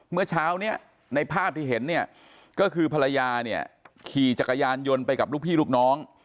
เมื่อเช้าเนี่ยในภาพที่เห็นเนี่ยก็คือภรรยาเนี่ยขี่จักรยานยนต์ไปกับลูกพี่ลูกน้อง